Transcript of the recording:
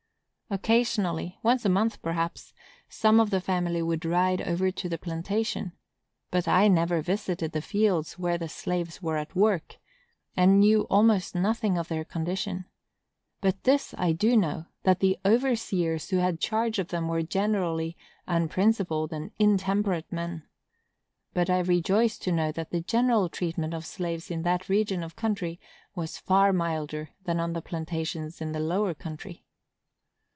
Occasionally,—once a month, perhaps,—some of the family would ride over to the plantation; but I never visited the fields where the slaves were at work, and knew almost nothing of their condition; but this I do know, that the overseers who had charge of them were generally unprincipled and intemperate men. But I rejoice to know that the general treatment of slaves in that region of country was far milder than on the plantations in the lower country.